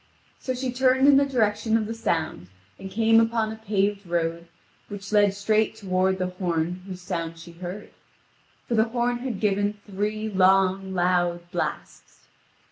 So she turned in the direction of the sound, and came upon a paved road which led straight toward the horn whose sound she heard; for the horn had given three long, loud blasts.